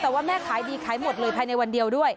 แต่ว่าแม่ขายดีขายหมดเลยภายในวันเดียวด้วย